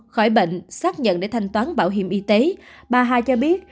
khỏi bệnh xác nhận để thanh toán bảo hiểm y tế bà hà cho biết